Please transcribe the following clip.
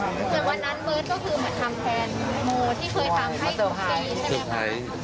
แต่วันนั้นเบิร์ตก็คือมาทำแทนโมที่เคยทำให้ทุกปีใช่ไหมคะ